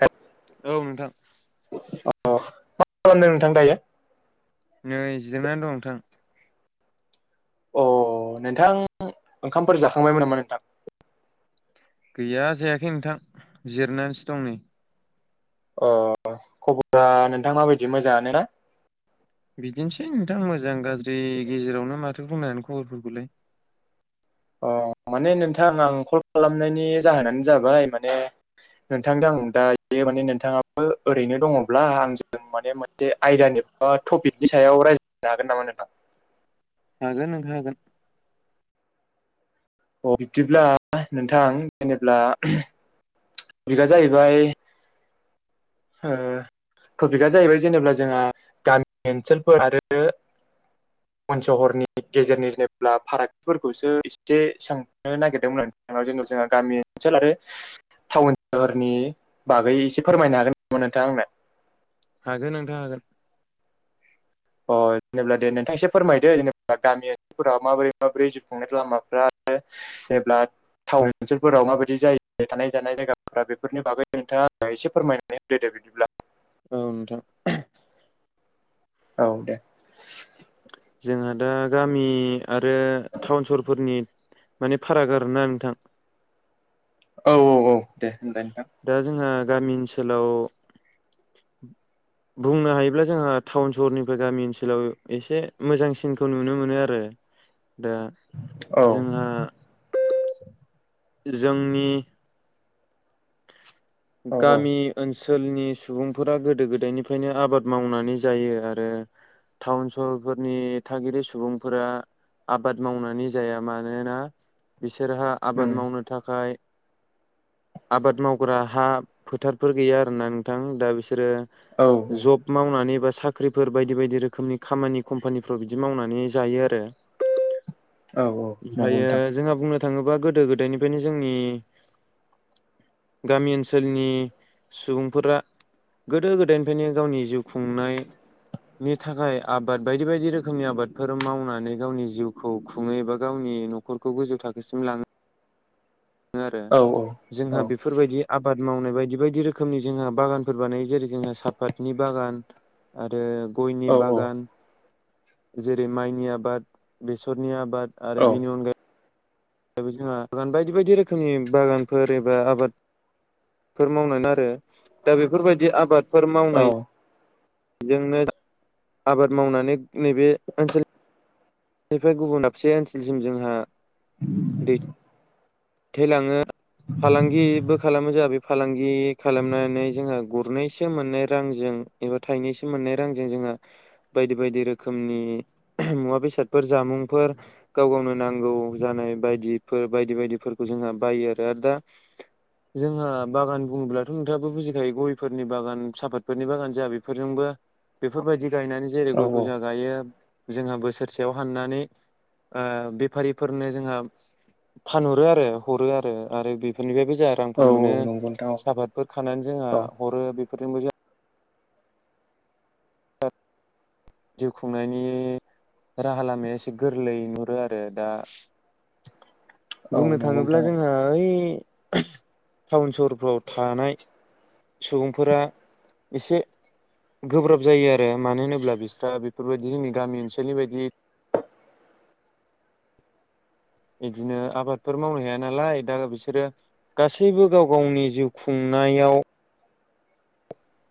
हे औ नोंथां। अह [unintelligible] मा खालामदों नोंथां दायो? नै जिरायनानै दं नोंथां। अह नोंथां ओंखामफोर जाखांबायमोन नामा नोंथां? गैया जायाखै नोंथां जिरायनानैसो दं नै। अह खबरा नोंथां माबायदि मोजाङानो ना? बिदिनोसै नोंथां मोजां गाज्रि गेजेरावनो मा थो बुंनो आनो खबरफोरखौलाय । अह। माने नोंथां आं कल खालामनायनि जाहोनानो जाबाय माने नोंथांदो आं दायो । माने नोंथाङाबो ओरैनो दङब्ला आंजों माने मोनसे आयदानि बा तपिकनि सायाव राय जागोन नामा नोंथां? बे नोंहा होगोन। अ बिब्दिब्ला नोंथां जेनेब्ला बिकआ जाहैबाय। टपिकआ जाहैबाय जेनबा जोंहा गामि ओनसोलफोर आरो गुबन सहरनि गेजेरनि जेब्ला फारागथिफोरखौसो एसे सोंनो नागिरदोंमोन। जेन' जोंहा गामि ओनसोल आरो टाउन सहरनि बागै एसे फोरमायनो हागोन। नोंथां आंनो। हागोन नोंथां हागोन। अ जेनेबा दे नोंथां एसे फोरमायदो जेनेबा गामि ओनसोलफोराव माबोरै माबोरै जिउ खुंनाय लामाफ्रा जेब्ला टाउन ओनसोलफोराव माबायदि जायो थानाय जानाय जायगाफोरा बेफोरनि बागै नोंथाङा एसे फोरमायनानै होग्रोदो। बिदिब्ला औ नोंथां ‌। औ दे। जोंहा दा गामि आरो टाउन सहरफोरनि माने फाराग आरोना नोंथां। औ औ औ दे होनलाय नोंथां। दा जोंहा गामि ओनसोलाव बुंनो हायोब्ला जोंहा टाउन सहरनिफ्राय गामि ओनसोलाव एसे मोजांसिनखौ नुनो मोनो आरो। [inaudible] दा औ जोंहा जोंनि औ औ गामि ओ ओनसोलनि सुबुंफोरा गोदो गोदायनिफ्रायनो आबाद मावनानै जायो आरो। टाउन सहरफोरनि थागिरि सुबुंफोरा आबाद मावनानै जाया मानोना बिसोरहा उम आबाद मावनो थाखाय आबाद मावग्रा हा फोथारफोर गैया आरोना नोंथां दा बिसोर औ सोरो जब मावनानै साख्रिफोर बायदि बायदि रोखोमनि खामानि खम्पानिफ्राव बिदि मावनानै जायो आरो। औ औ नंगौ ओमफ्रायो नोंथां जोंहा बुंनो थाङोबा गोदो गोदायनिफ्रायनो जोंनि गामि ओनसोलनि सुबुंफोरा गोदो गोदायनिफ्रायनो गावनि जिउ खुंनाय नि थाखाय आबाद बायदि बायदि रोखोमनि आबादफोर मावनानै गावनि जिउखौ खुङो एबा गावनि न'खरखौ गोजौ थाखोसिम लाङो। आरो औ जोंहा औ बेफोरबायदि आबाद मावनाय बायदि बायदि रोखोमनि जोंहा बागानफोर बानायो जेरै जोंहा साफातनि बागान, आरो गयनि औ बागान जेरै माइनि आबाद बेसरनि आबाद। आरो औ बिनि अनगायै जोंहा आगान बायदि बायदि रोखोमनि बागानफोर एबा आबाद फोर मावनाय आरो दा बेफोरबायदि आबादफोर औ औ मावनाय बेजोंनो आबाद मावनानै नैबे ओनसोल बेनिफ्राय गुबुन दाबसे ओनसोलसिम जोंहा [inaudible] दैथायलाङो फालांगिबो खालामो जाबाय। फालांगि खालामनानै जोंहा गुरनैसो मोननाय रांजों एबा थायनैसो मोननाय रांजों जों बायदि बायदि रोखनि मुवा बेसादफोर जामुंफोर गाव गावनो नांगौ जानाय बायदिफोर बायदि बायदिफोरखौ जोंहा बायो आरो आरो दा जोंहा बागान बुङोब्लाथ' नोंथाङाबो बुजिखायो गयफोरनि बागान साफातफोरनि बागान जाया बेफोरजोंबो बेफोरबायदि गायनानै जेरै औ गयखौ जा गायो जोंहा बोसोरसेयाव हाननानै बेफारिफोरनो जोंहा फानहर हो आरो हरो आरो आरो बेफोरनिफ्रायबो जा औ रांफोर औ मोनो नंगौ नोंथां साहाफातफोर खानानै जोंहा औ हरो बेफोरजोंबो जों जिउ खुंनायनि राहा लामाया एसे गोरलै नुरो आरो दा औ बुंनो नंगौ थाङोब्ला नोंथां जोंहा ओइ टाउन सहरफ्राव थानाय सुबुंफोरा एसे गोब्राब जायो आरो मानो होनोब्ला बिस्रा बेफोरबायदि जोंनि गामि ओनसोलनि बायदि [inaudible] बिदिनो आबादफोर मावनो हाया नालाय दा बिसोरो गासैबो गाव गावनि जिउ खुंनायाव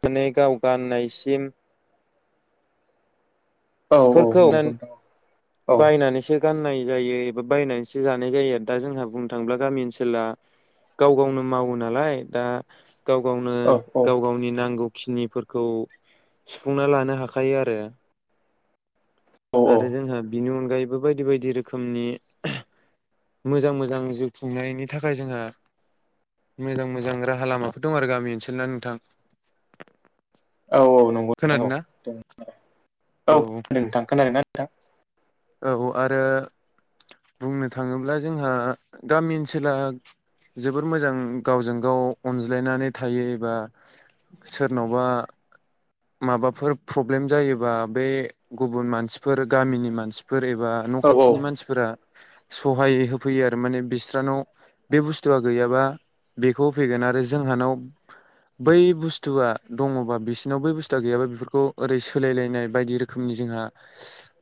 दिनै गाव गाननायसिम औ औ बेफोरखौ नंगौ नोंथां औ बायनानैसो गाननाय जायो एबा बायनानैसो जानाय जायो आरो दा जोंहा बुंनो थाङोब्ला गामि ओनसोला गाव गावनो मावो नालाय दा गाव गावनो औ गाव गावनि नांगौ खिनिफोरखौ सुफुंना लानो हाखायो आरो औ आरो जोंहा बिनि अनगायैबो बायदि बायदि रोखोमनि मोजां मोजां जिउ खुंनायनि थाखाय जोंहा मोजां मोजां राहा लामाफोर दं आरो गामि ओनसोलना नोंथां औ औ नंगौ नोंथां औ खोनादों औ ना औ खोनादों नोंथां खोनादों ना नोंथां औ आरो बुंनो थाङोब्ला जोंहा गामि ओनसोला जोबोर मोजां गावजों गाव अनज्लायनानै थायो एबा सोरनावबा माबाफोर प्रब्लेम जायोबा बे गुबुन मानसिफोर गामिनि मानसिफोर फोर एबा न' औ औ खाथिनि मानसिफोरा सहाय होफैयो आरो माने बिस्रानाव बे बुस्थुआ गैयाबा बेखौ होफैगोन आरो जोंहानाव बै बुस्थुआ दङबा बिसिरनाव बै बुस्थुआ गैयाबा बेफोरखौ ओरै सोलायलायनाय बायदि रोखोमनि ज जोंहा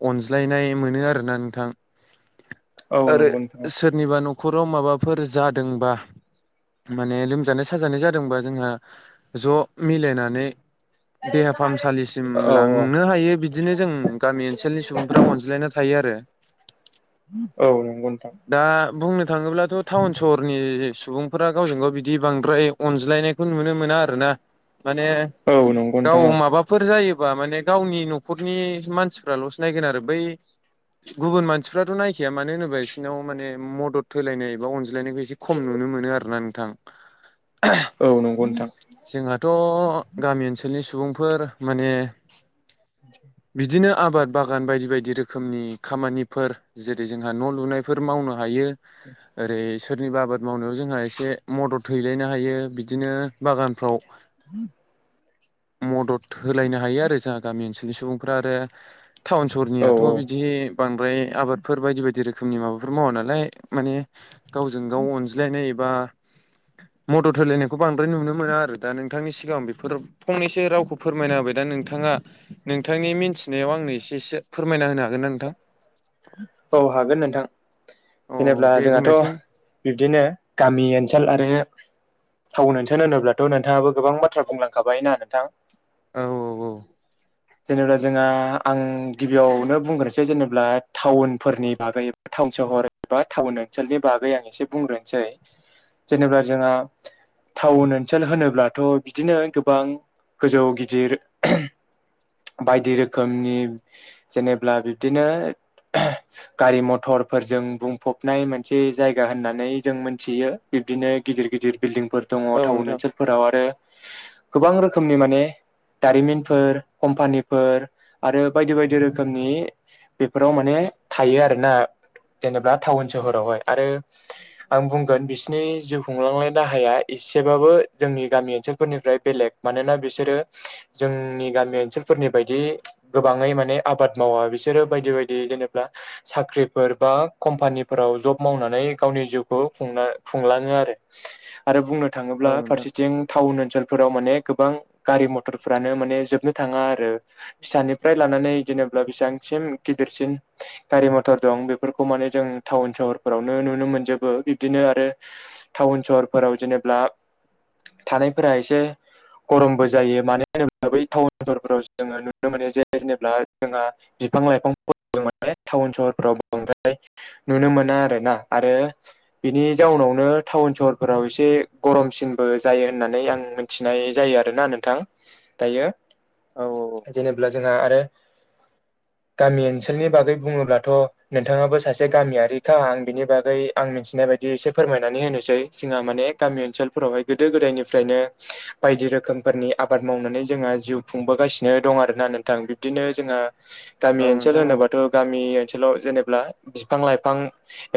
अनज्लायनाय मोन आरोना नोंथां औ आरो नंगौ नोंथां सोरनिबा नख' न'खराव माबाफोर जादोंबा माने लोमजानाय साजानाय जादोंबा जोंहा ज' मिलायनानै देहा फाहामसालिसिम औ लांनो हायो बिदिनो जों गामि ओनसोलनि सुबुंफ्रा अनज्लायनो थायो आरो औ नंगौ नोंथां दा बुंनो थाङोब्लाथ' टाउन सहरनि सुबुंफोरा गावजों गाव बिदि बांद्राय अनज्लाय नायखौ नुनो मोना आरोना माने औ नंगौ गाव नोंथां औ माबाफोर जायोबा माने गावनि न'खरनि मानसिफ्राल'सो नायगोन आरो बै गुबुन मानसिफ्राथ' नायखाया मानो होनोबा बिसोरनाव माने मदद होलायनाय एबा अनज्लायनायखौ एसे खम नु नुनो मोनो आरोना नोंथां औ नंगौ नोंथां जोंहाथ' गामि ओनसोलनि सुबुंफोर माने बिदिनो आबाद बागान बायदि बायदि रोखोम रोखोमनि खामानिफोर जेरै जोंहा न' लुनायफोर मावनो हायो ओरै सोरनिबा आबाद मावनायाव जोंहा एसे मदद हैलायनो हायो बिदिनो बागानफ्राव मदद होलायनो हायो आरो जोंहा गामि ओनसोलनि सुबुंफ्रा आरो टाउन औ सहरनिया थ' बिदि बांद्राय आबादफोर बायदि बायदि रोखोमनि माबाफोर मावा नालाय माने गावजों गाव गाव अनज्लायनाय एबा मदद होलायनायखौ बांद्राय नुनो मोना आरो दा नोंथांनि सिगां बेफोर फंनैसो रावखौ फोरमायना होबाय दा नोंथाङा नोंथांनि मिनथिनायाव आंनो एसे एसे फोरमायना होनो हागोन ना नोंथां। औ हागोन नोंथां। औ जेनेब्ला दे जोंहाथ' बुंनायसै बिब्दिनो गामि ओनसोल आरो। थावोन ओनसोन होनोब्लाथ' नोंथाङाबो गोबां बाथ्रा बुंलांखाबाय ना नोंथाङा‌। औ औ औ। जेनेब्ला जोंहा आं गिबियावनो बुंग्रोसै जेनेब्ला टाउन फोरनि बागै एबा टाउन सहर एबा टाउन ओनसोलनि बागै आं एसे बुंग्रोनोसै। जेनेब्ला जोंहा। टाउन ओनसोल होनोब्लाथ' बिदिनो गोबां गोजौ गिदिर बायदि रोखोमनि जेनेब्ला बिब्दिनो। गारि मथरफोरजों बुंफबनाय मोनसे जायगा होननानै जों मोनथियो बिबदिनो। गिदिर गिदिर बिल्डिंफोर दङ औ टाउन नोंथां ओनसोलफोराव आरो गोबां रोखोमनि माने। दारिमिनफोर कम्पानिफोर आरो बायदि बायदि रोखोमनि। बेफोराव माने थायो आरोना। जेनेब्ला टाउन सोहरावहाय आरो आं बुंगोन बिसिनि जिउ खुंलांनाय राहाया इस सेबाबो जोंनि गामि ओनसोलफोरनिफ्राय बेलेग मानोना बिसोरो जोंनि गामि ओनसोलफोर नि बायदि गोबाङै माने आबाद मावा बिसोरो बायदि बायदि जेनेब ब्ला साख्रिफोर बा कम्पानिफोराव जब मावनानै गावनि जिउखौ खुंना खुंलाङो। नो आरो आरो बुंनो थाङोब्ला औ नोंथां फारसेथिं टाउन ओनसोल फोराव माने गोबां गारि मथरफ्रानो माने जोबनो थाङा आरो। फिसानिफ्राय लानानै जेनेब्ला बेसिबांसिम गिदिरसिन। गारि मथर दं बेफोरखौ माने जों टाउन सहरफोरावनो नुनो मोनजोबो बिदिनो आरो। टाउन सहरफोराव जेनेब्ला थानायफोरा एसे गरमबो जायो मानो होनोब्ला बै टाउनफोरफोराव जोङो नुनो मोनो जे जेनेब्ला जोंहा बि बिफां लाइफां फो जों माने टाउन सहरफ्राव बांद्राय नुनो मोना आरोना आरो बिनि जाउन नावनो टाउन सहरफोराव एसे गरमसिनबो जायो होननानै आं मिथिनाय जायो आरोना नोंथां। दायो औ जेनेब्ला जोंहा आरो गामि ओनस सोलनि बागै बुङोब्लाथ' नोंथाङाबो सासे गामियारिखा आं बिनि बागै आं मिथिनाय बायदि एसे फोर मायनानै होनोसै जोंहा माने गामि ओनसोलफोरावहाय गोदो गोदायनिफ्रायनो बायदि रोखोमफोरनि आब बाद मावनानै जोंहा जिउ खुंबोगासिनो दं आरोना नोंथां बिब्दिनो जोंहा। औ गामि ओनसोल नोंथां औ होनोबाथ' गामि ओ सोलाव जेनेब्ला बिफां लाइफां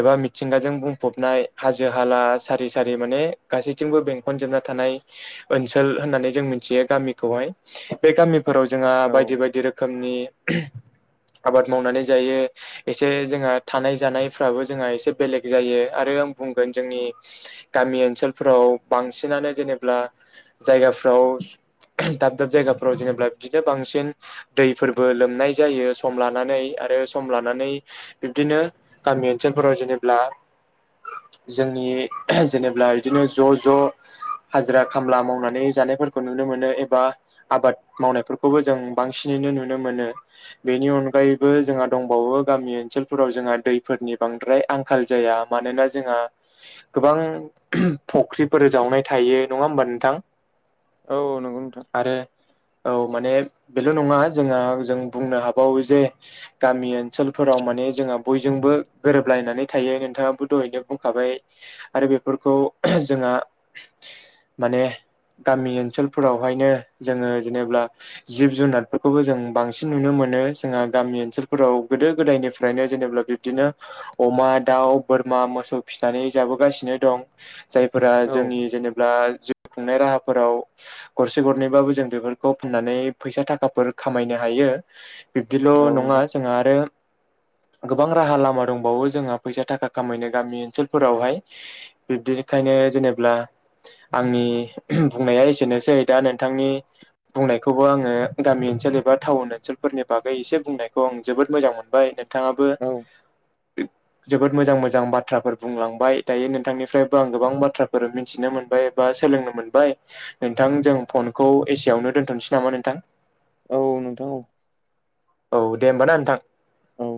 एबा मिथिंगाजों बुंफबनाय हाजो हाला सारि सारि माने गासैथिंबो बेंखनजोबना थानाय ओनसोल होननानै जों मिथियो गामिखौहाय। बे गामिफोराव जोंहा औ बायदि बायदि रोखोमनि। आबाद मावनानै जायो एसे जोंहा थानाय जानायफ्राबो जोंहा एसे बेलेग जायो आरो आम बुंगोन जोंनि गामि ओनसोलफोराव बांसिनानो जेनेब्ला। जायगाफ्राव। दाब दाब जायगाफोराव जेनेबा बिदिनो बांसिन दैफोरबो लोमनाय जायो स सम लानानै आरो सम लानानै बिब्दिनो गामि ओनसोलफोराव जेनेब्ला। जोंनि जेनेब्ला बिदिनो ज' ज'। हाजिरा खामला मावनानै जानायफोरखौ नुनो मोनो एबा आबाद मावनायफोरखौबो जों बांसिनै। नुनो मोनो। बेनि अनगायैबो जोंहा दंबावो गामि ओनसोलफोराव जोंहा दैफोरनि बांद्राय आंखाल जाया मा नोना जोंहा गोबां फख्रिफोर जावनाय। थायो नङा होमबा नोंथां औ औ नंगौ नोंथां आरो औ। माने बेल' नङा जोंहा जों बुंनो हा बावो जे गामि ओनसोलफोराव माने जोंहा बयजोंबो गोरोबलायनानै थायो नोंथाङाबो द दहयनो बुंखाबाय आरो बेफोरखौ जोंहा माने। गामि ओनसोलफोरावहायनो जोंङो जेनेब्ला जिब जुनारफोरखौबो जों बांसिन नुनो मोनो। जोंहा गामि ओनसोलफोराव गोदो गोदायनिफ्रायनो जेनेबा बिब्दिनो अमा दाउ बोरमा मोसौ फिनानै जाबोगासिनो दं जायफोरा औ जोंनि जेनेब्ला जिउ खुंनाय राहाफोराव गरसे गरनैबाबो जों बेफोरखौ फाननानै फैसा थाखाफोर खामायनो हा यो बिबदिल' औ नङा नोंथां जोंहा आरो गोबां राहा लामा दंबावो जोंहा फैसा थाखा खामायनो गामि ओनसोलफोरावहाय बिब्दि खायनो जेनेब्ला आंनि बुंनाया एसेनोसै दा नोंथांनि बुंनायखौबो आङो गामि ओनसोल एबा थाउन ओनसोलफोरनि बागै एसे बुंनायखौ आं जोबोद मोजां मोनबाय नोंथाङाबो औ जोबोद मोजां-मोजां बाथ्राफोर बुंलांबाय दायो नोंथांनिफ्रायबो आं गोबां बाथ्राफोर मिन्थिनो मोनबाय। बा सोलोंनो मोनबाय नोंथां जों फनखौ एसेयावनो दोन्थ'नोसै नामा नोंथां? औ नोंथां औ। औ दे होमबा ना नोंथां। औ।